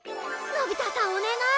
のび太さんお願い！